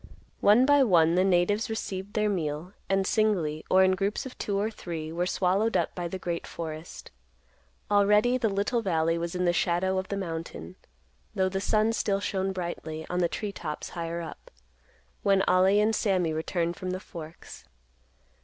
One by one the natives received their meal, and, singly, or in groups of two or three, were swallowed up by the great forest. Already the little valley was in the shadow of the mountain, though the sun still shone brightly on the tree tops higher up, when Ollie and Sammy returned from the Forks.